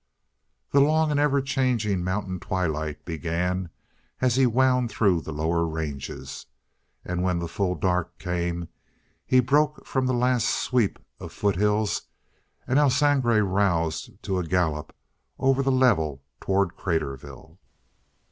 The long and ever changing mountain twilight began as he wound through the lower ranges. And when the full dark came, he broke from the last sweep of foothills and El Sangre roused to a gallop over the level toward Craterville.